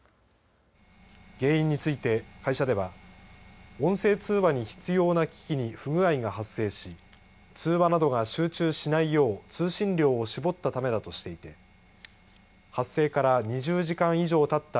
原因について会社では音声通話に必要な機器に不具合が発生し通話などが集中しないよう通信量を絞ったためだとしていて発生から２０時間以上たった